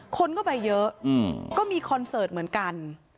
คนก็ไปเยอะก็มีคอนเสิร์ตเหมือนกัน